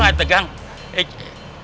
kenapa lo tegang mau